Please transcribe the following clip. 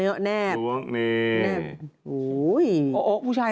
อย่างกับ